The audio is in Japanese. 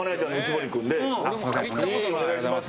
お願いします。